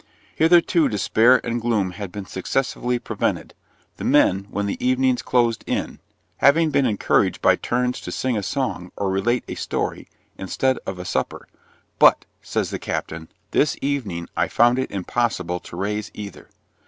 Hitherto despair and gloom had been successfully prevented, the men, when the evenings closed in, having been encouraged by turns to sing a song, or relate a story, instead of a supper: 'but,' says the Captain, 'this evening I found it impossible to raise either.'